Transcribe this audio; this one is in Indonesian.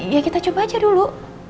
ya kita coba aja dulu